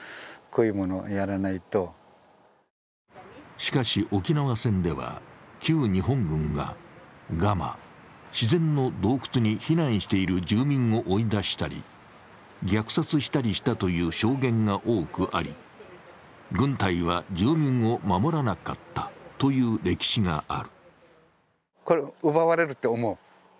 しかし、沖縄戦では旧日本軍がガマ、自然の洞窟に避難している住民を追い出したり虐殺したりしたという証言が多くあり、軍隊は住民を守らなかったという歴史がある。